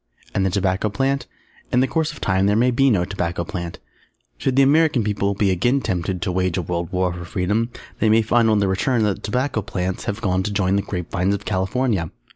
And the Tobacco Plant? In the course of time there may be no Tobacco Plant. Should the American People be again tempted to wage a World War for Freedom, they may find on their return that the Tobacco Plants have gone to join the Grape Vines of California!